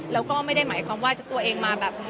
แล้วก็ไม่ได้หมายความว่าจะตัวเองมาแบบ